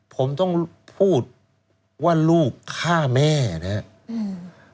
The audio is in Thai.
ผมต้องพูดว่าลูกฆ่าแม่นะครับ